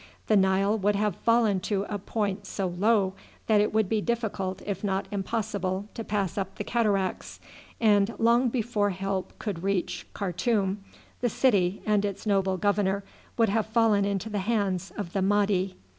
The Nile would have fallen to a point so low that it would be difficult if not impossible to pass up the cataracts, and long before help could reach Khartoum the city and its noble governor would have fallen into the hands of the Mahdi.